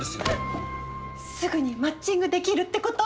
すぐにマッチングできるってこと？